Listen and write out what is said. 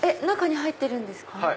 中に入ってるんですか？